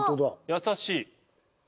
優しい。